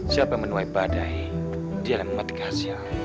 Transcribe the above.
siapa yang menuai badai dia yang mematikan hasil